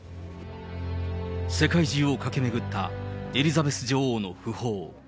世界中を駆け巡ったエリザベス女王のふ報。